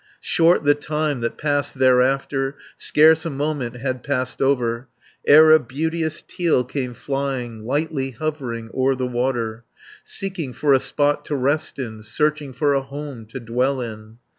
Short the time that passed thereafter, Scarce a moment had passed over, Ere a beauteous teal came flying Lightly hovering o'er the water, 180 Seeking for a spot to rest in, Searching for a home to dwell in.